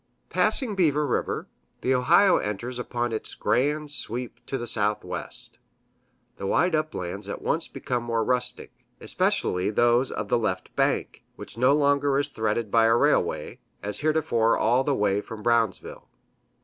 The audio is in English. Passing Beaver River, the Ohio enters upon its grand sweep to the southwest. The wide uplands at once become more rustic, especially those of the left bank, which no longer is threaded by a railway, as heretofore all the way from Brownsville.